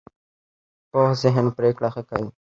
پوخ ذهن پرېکړه ښه کوي